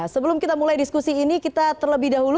sebelum kita mulai diskusi ini kita terlebih dahulu